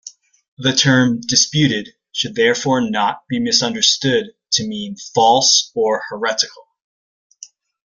The term "disputed" should therefore not be misunderstood to mean "false" or "heretical.